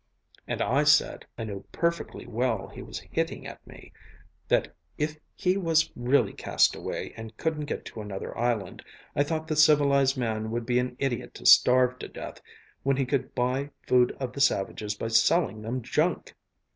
And I said (I knew perfectly well he was hitting at me) that if he was really cast away and couldn't get to another island, I thought the civilized man would be an idiot to starve to death, when he could buy food of the savages by selling them junk.